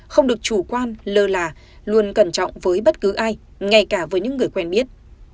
không được chủ quan lơ là luôn cẩn trọng với bất cứ ai ngay cả với những người quen biết